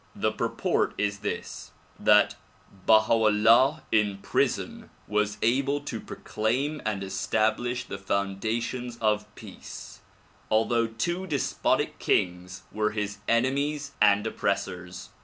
The purport is this, that Baha 'Ullah in prison was able to proclaim and establish the foundations of peace, although two despotic kings were his enemies and oppressors.